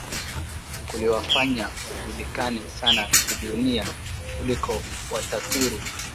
kuliwafanya wajulikane sana kidunia kuliko Wataturu